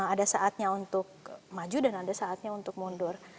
ada saatnya untuk maju dan ada saatnya untuk mundur